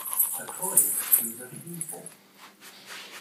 According to the people.